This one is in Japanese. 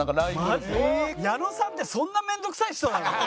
矢野さんってそんな面倒くさい人なの？